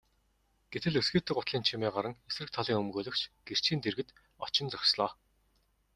Гэтэл өсгийтэй гутлын чимээ гаран эсрэг талын өмгөөлөгч гэрчийн дэргэд очин зогслоо.